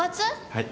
はい。